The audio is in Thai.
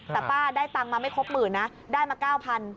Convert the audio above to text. แต่ป้าได้ตังค์มาไม่ครบหมื่นนะได้มา๙๐๐บาท